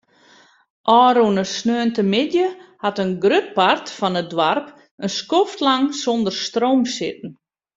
Ofrûne sneontemiddei hat in grut part fan it doarp in skoftlang sonder stroom sitten.